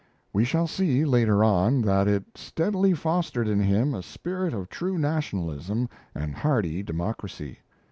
We shall see, later on, that it steadily fostered in him a spirit of true nationalism and hardy democracy.